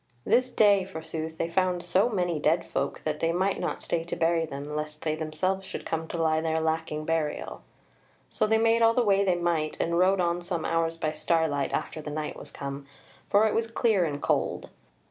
This day, forsooth, they found so many dead folk, that they might not stay to bury them, lest they themselves should come to lie there lacking burial. So they made all the way they might, and rode on some hours by starlight after the night was come, for it was clear and cold.